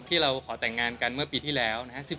ที่เราขอแต่งงานกันเมื่อปีที่แล้วนะครับ